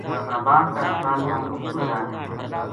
مظفرآباد کا ہسپتال ما اس کو علاج ہویو